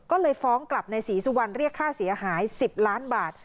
ก็เลยฟ้องกลับในศรีสุวรรณเรียกค่าเสียหาย๑๐ล้านบาท